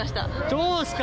どうですか？